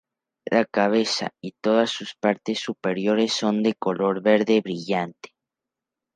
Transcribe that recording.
La cabeza, y todas sus partes superiores son de color verde brillante.